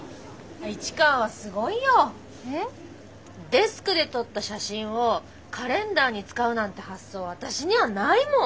デスクで撮った写真をカレンダーに使うなんて発想私にはないもん。